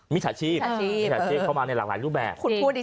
มีจต่อชีพเข้ามาในหลากหลายรูปแบบ